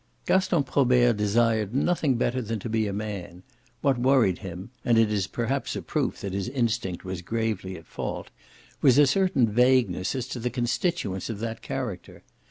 Gaston Probert desired nothing better than to be a man; what worried him and it is perhaps a proof that his instinct was gravely at fault was a certain vagueness as to the constituents of that character.